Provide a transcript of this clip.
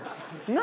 何？